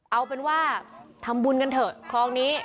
เอาเป็นว่าทำบุญกันเถอะคลองนี้